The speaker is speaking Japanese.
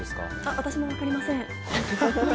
私も分かりません。